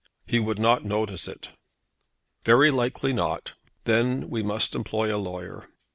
"He would not notice it." "Very likely not. Then we must employ a lawyer."